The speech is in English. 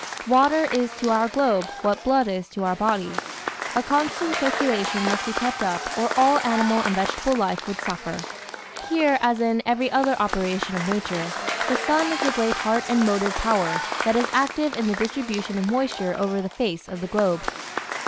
Water is to our globe what blood is to our bodies. A constant circulation must be kept up or all animal and vegetable life would suffer. Here, as in every other operation of nature, the sun is the great heart and motive power that is active in the distribution of moisture over the face of the globe.